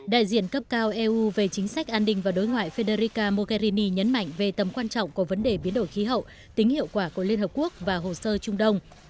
đại diện cấp cao eu về chính sách an ninh và đối ngoại federica mogherini nhấn mạnh về tầm quan trọng của vấn đề biến đổi khí hậu tính hiệu quả của liên hợp quốc và hồ sơ trung đông